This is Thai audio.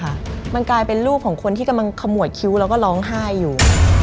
มันกลายเป็นรูปของคนที่กำลังขมวดคิ้วแล้วก็ร้องไห้อยู่